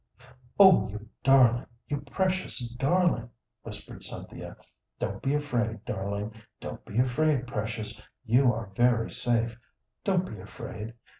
"Oh, you darling, you precious darling!" whispered Cynthia. "Don't be afraid, darling; don't be afraid, precious; you are very safe; don't be afraid.